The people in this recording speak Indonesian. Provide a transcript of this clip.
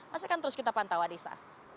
masih akan terus kita pantau adisa